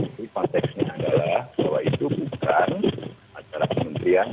tapi konteksnya adalah bahwa itu bukan acara kementerian